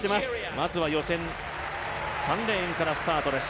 まずは予選、３レーンからスタートです。